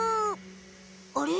あれ？